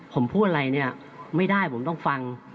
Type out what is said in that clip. ผมพูดอะไรเนี่ยไม่ได้ผมต้องฟัง